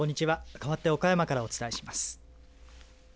かわって岡山からお伝えします。